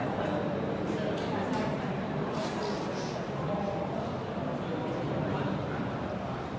สวัสดีครับสวัสดีครับ